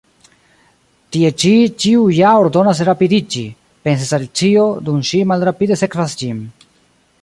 "Tie ĉi ĉiu ja ordonas rapidiĝi," pensis Alicio, dum ŝi malrapide sekvas ĝin.